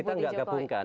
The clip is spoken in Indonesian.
kita enggak gabungkan